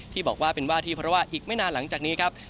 ที่บอกว่าเป็นว่าที่เพราะว่าอีกไม่นานหลังจากนี้ครับ